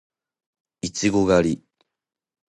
いちご狩り